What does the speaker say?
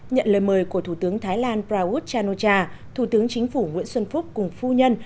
nhận lời mời của thủ tướng thái lan prauch chan o cha thủ tướng chính phủ nguyễn xuân phúc cùng phu nhân